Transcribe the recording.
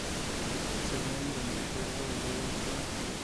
Según el Decreto Ley Nro.